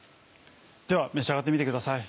では召し上がってみてください。